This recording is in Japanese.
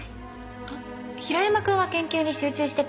あっ平山くんは研究に集中してて。